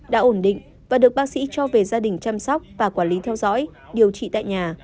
đã ổn định và được bác sĩ cho về gia đình chăm sóc và quản lý theo dõi điều trị tại nhà